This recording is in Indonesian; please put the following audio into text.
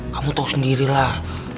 kamu tau sendirilah